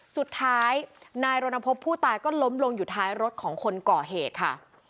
สุดท้ายนายรณพบผู้ตายก็ล้มลงอยู่ท้ายรถของคนก่อเหตุค่ะ